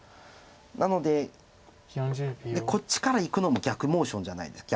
なのでこっちからいくのも逆モーションじゃないですか。